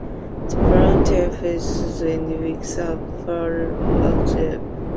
The brown tail feathers and wings have paler outer webs.